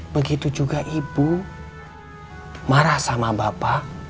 begitu juga ibu marah sama bapak